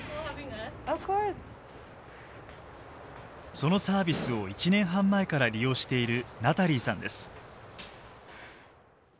そのサービスを１年半前から利用しているナタリーさんです。